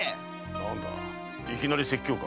何だいきなり説教か？